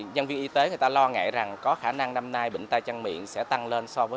nhân viên y tế lo ngại rằng có khả năng năm nay bệnh tay chân miệng sẽ tăng lên so với năm ngoái